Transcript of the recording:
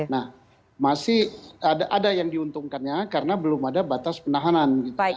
nah masih ada yang diuntungkannya karena belum ada batas penahanan